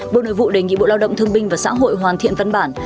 bộ nội vụ đề nghị bộ lao động thương binh và xã hội hoàn thiện văn bản